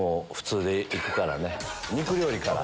肉料理から。